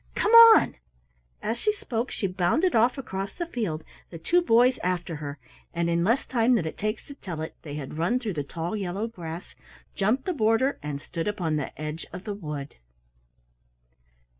Come on!" As she spoke she bounded off across the field, the two boys after her, and in less time than it takes to tell it they had run through the tall yellow grass, jumped the border, and stood upon the edge of the wood.